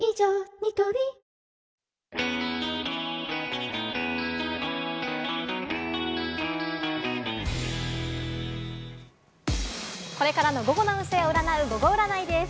ニトリこれからの午後の運勢を占う、ゴゴ占いです。